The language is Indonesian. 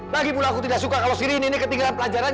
lagipula aku tidak suka kalau rini ini ketinggalan pelajaran